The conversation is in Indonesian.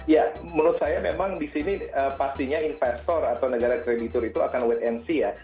ya menurut saya memang di sini pastinya investor atau negara kreditur itu akan wait and see ya